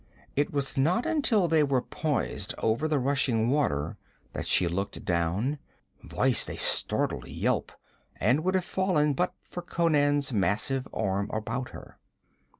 It was not until they were poised over the rushing water that she looked down, voiced a startled yelp and would have fallen but for Conan's massive arm about her.